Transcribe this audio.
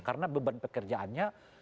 karena beban pekerjaannya